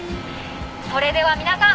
それでは皆さん